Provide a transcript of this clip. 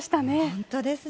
本当ですね。